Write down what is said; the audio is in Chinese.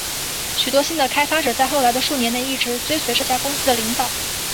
许多新的开发者在后来的数年内一直追随这家公司的领导。